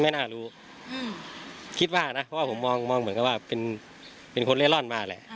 ไม่น่ารู้คิดว่านะเพราะว่าผมมองมองเหมือนกับว่าเป็นเป็นคนเล่นร่อนมาแหละ